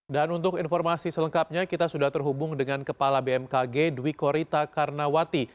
dan untuk informasi selengkapnya kita sudah terhubung dengan kepala bmkg dwi korita karnawati